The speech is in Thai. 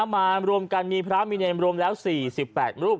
มารวมกันมีพระมีเนมรวมแล้ว๔๘รูป